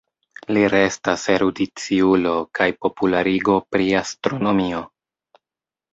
Li restas erudiciulo kaj popularigo pri astronomio.